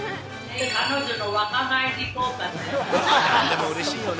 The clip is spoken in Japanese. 彼女の若返り効果です。